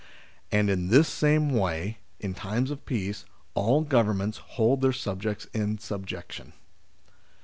And in this same way, in times of peace, all Governments hold their subjects in subjection.